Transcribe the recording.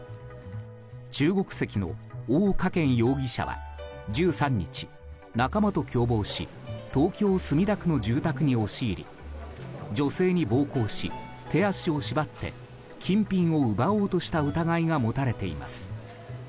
中国籍のオウ・カケン容疑者は１３日仲間と共謀し東京・墨田区の住宅に押し入り女性に暴行し、手足を縛って金品を奪おうとした疑いが持たれています。